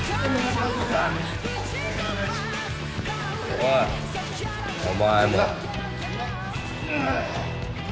おいお前も。